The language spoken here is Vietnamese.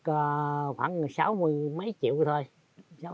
khoảng sáu mươi mấy triệu thôi